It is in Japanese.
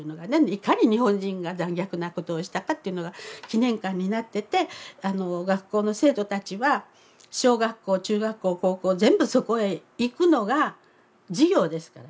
いかに日本人が残虐なことをしたかというのが記念館になってて学校の生徒たちは小学校中学校高校全部そこへ行くのが授業ですからね。